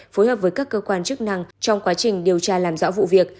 phối hợp với các cơ quan chức năng trong quá trình điều tra làm rõ vụ việc